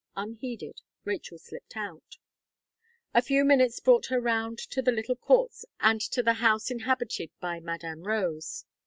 Unheeded, Rachel slipped out. A few minutes brought her round to the little courts and to the house inhabited by Madame Rose.